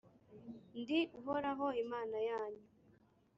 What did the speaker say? ndi Uhoraho, Imana yanyu,